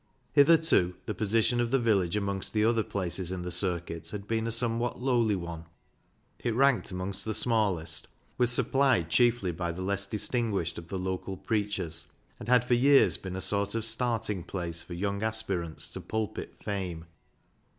Hitherto the position of the village amongst the other places in the circuit had been a somewhat lowly one. It ranked amongst the smallest, was supplied chiefly by the less distin guished of the local preachers, and had for years been a sort of starting place for young aspirants to pulpit fame.